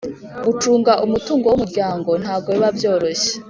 Gucunga umutungo w umuryango ntago biba byoroshye